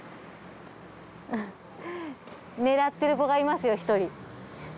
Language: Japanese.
狙ってる子がいますよ１人。